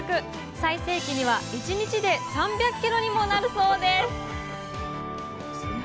最盛期には１日で３００ｋｇにもなるそうです